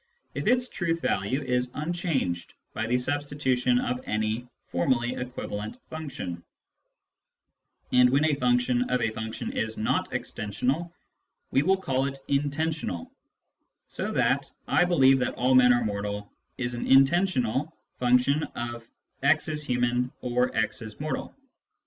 if its truth value is unchanged by the substitution of any formally equivalent function ; and when a function of a function is not extensional, we will call it " intensional," so that " I believe that all men are mortal " is an intensional function of " x is human " or " x is mortal."